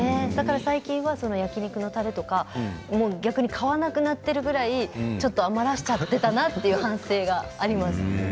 最近は焼き肉のたれとか逆に買わなくなっているくらい余らせちゃっていたなという反省があります。